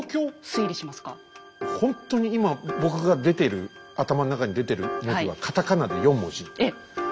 ほんとに今僕が出てる頭の中に出てる文字はカタカナで四文字。